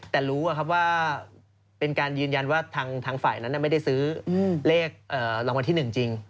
แต่รู้ว่าเป็นการยืนยันว่าทางฝ่ายนั้นไม่ได้ซื้อเลขรางวัลที่๑จริง